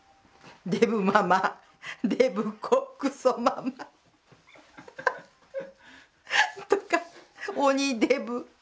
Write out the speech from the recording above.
デブママデブ子クソママ。とか鬼デブ。